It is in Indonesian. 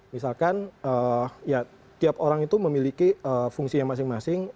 misalkan ya tiap orang itu memiliki fungsi yang masing masing